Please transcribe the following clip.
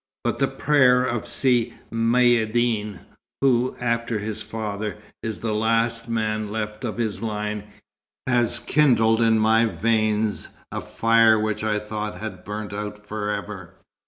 But the prayer of Si Maïeddine, who, after his father, is the last man left of his line, has kindled in my veins a fire which I thought had burnt out forever.